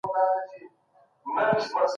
زده کړه د ټولني د اقتصاد ملاتړ کوي.